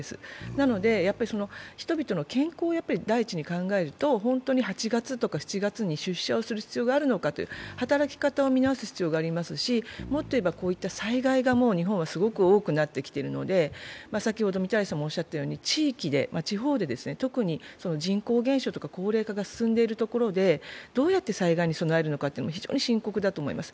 なので、人々の健康を第一に考えると８月とか７月に出社をする必要があるのかという働き方を見直す必要がありますし日本はすごく多くなってきているので、地域、地方で、特に人口減少や高齢化が進んでいるところでどうやって災害に備えるのかは非常に深刻だと思います。